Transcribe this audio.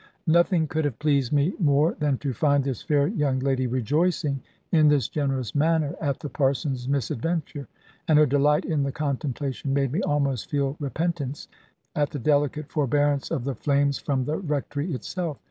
Nothing could have pleased me more than to find this fair young lady rejoicing in this generous manner at the Parson's misadventure. And her delight in the contemplation made me almost feel repentance at the delicate forbearance of the flames from the Rectory itself.